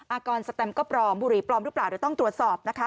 อากรสแตมก็ปลอมบุหรี่ปลอมหรือเปล่าเดี๋ยวต้องตรวจสอบนะคะ